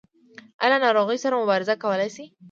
ایا له ناروغۍ سره مبارزه کولی شئ؟